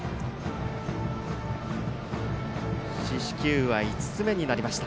四死球は５つ目になりました。